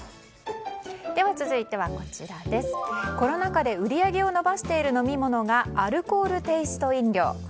続いては、コロナ禍で売り上げを伸ばしている飲み物がアルコールテイスト飲料。